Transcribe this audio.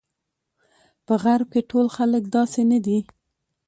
په غرب کې ټول خلک داسې نه دي.